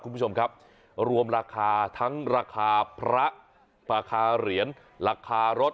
คุณผู้ชมครับรวมราคาทั้งราคาพระราคาเหรียญราคารถ